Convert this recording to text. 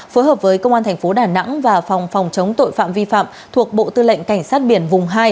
phối hợp với công an thành phố đà nẵng và phòng phòng chống tội phạm vi phạm thuộc bộ tư lệnh cảnh sát biển vùng hai